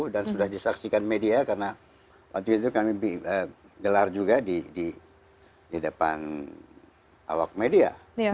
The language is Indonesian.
dan sudah disaksikan media karena waktu itu kami gelar juga di depan awak media